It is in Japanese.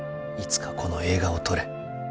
「いつかこの映画を撮れ。